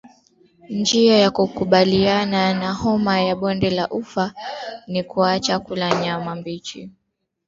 Njia ya kukabiliana na homa ya bonde la ufa ni kuacha kula nyama mbichi